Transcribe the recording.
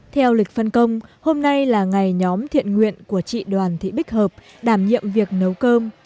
theo lịch phân công hôm nay là ngày nhóm thiện nguyện của chị đoàn thị bích hợp đảm nhiệm việc nấu cơm